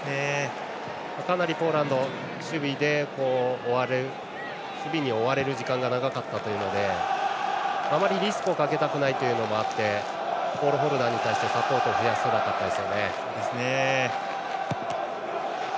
かなりポーランド守備に終われる時間が長かったというのであまりリスクをかけたくないというのもあってボールホルダーに対してサポートを増やせなかったです。